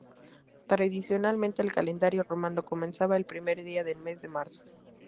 Tradicionalmente, el calendario romano comenzaba el primer día del mes de marzo.